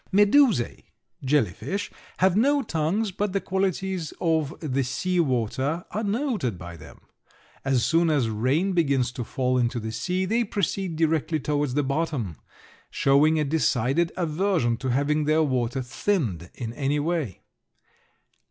Medusae (Jelly Fish) have no tongues, but the qualities of the sea water are noted by them. As soon as rain begins to fall into the sea they proceed directly towards the bottom, showing a decided aversion to having their water thinned in any way.